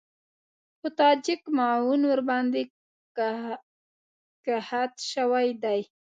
خو تاجک معاون ورباندې قحط شوی دی.